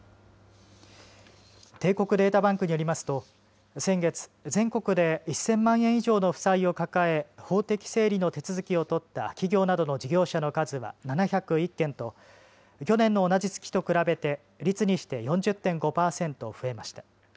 帝国データバンクによりますと先月、全国で１０００万円以上の負債を抱え、法的整理の手続きを取った企業などの事業者の数は７０１件と去年の同じ月と比べて率にして４０．５％増えました。